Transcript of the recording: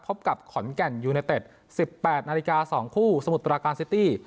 พบกับขอนแก่นยูเนตเต็ดสิบแปดนาฬิกาสองคู่สมุทรการสิตี้